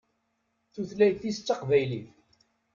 Tutlayt-is d taqbaylit.